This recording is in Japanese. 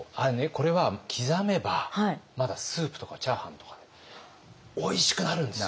これは刻めばまだスープとかチャーハンとかおいしくなるんですよ。